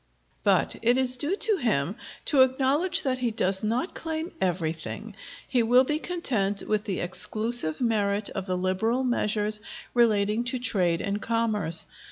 But it is due to him to acknowledge that he does not claim everything; he will be content with the exclusive merit of the liberal measures relating to trade and commerce.